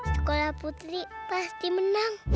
sekolah putri pasti menang